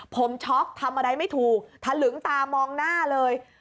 ผมช็อกทำอะไรไม่ถูกทะลึงตามองหน้าเลย